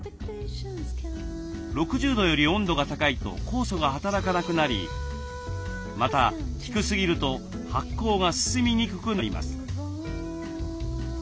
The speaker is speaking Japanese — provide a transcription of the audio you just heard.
６０度より温度が高いと酵素が働かなくなりまた低すぎると発酵が進みにくくなります。